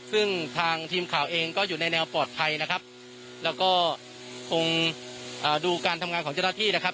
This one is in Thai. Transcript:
ซึ่งทางทีมข่าวเองก็อยู่ในแนวปลอดภัยนะครับแล้วก็คงดูการทำงานของเจ้าหน้าที่นะครับ